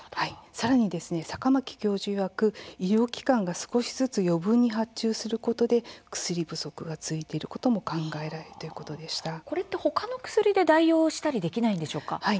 さらに坂巻教授いわく医療機関が少しずつ余分に発注することで薬不足が続いていることも他の薬で代用したりできないんですか。